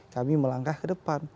kami melangkah ke depan